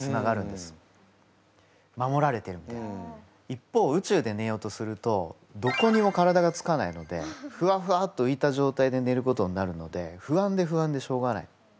一方宇宙でねようとするとどこにも体がつかないのでフワフワッとういた状態でねることになるので不安で不安でしょうがない。